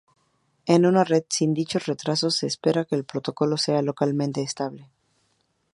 En una red sin dichos retrasos se espera que el protocolo sea localmente estable.